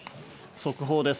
速報です。